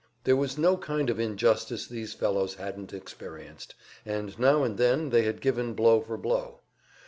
There was no kind of injustice these fellows hadn't experienced, and now and then they had given blow for blow.